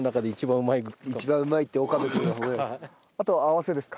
あとは合わせですか？